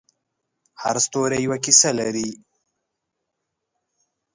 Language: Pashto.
هر ستوری یوه کیسه لري.